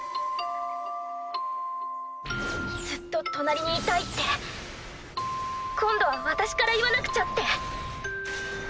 ずっと隣にいたいって今度は私から言わなくちゃって。